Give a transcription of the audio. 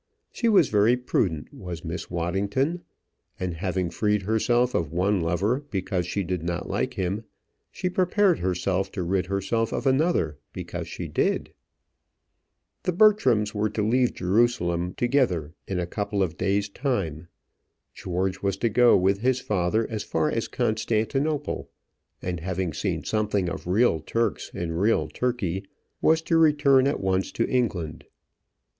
She was very prudent, was Miss Waddington; and having freed herself of one lover because she did not like him, she prepared to rid herself of another because she did. The Bertrams were to leave Jerusalem together in a couple of days' time. George was to go with his father as far as Constantinople, and, having seen something of real Turks in real Turkey, was to return at once to England.